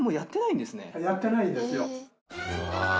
やってないんですよ。